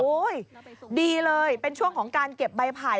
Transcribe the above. ดีเลยเป็นช่วงของการเก็บใบไผ่